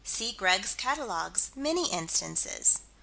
See Greg's Catalogues many instances.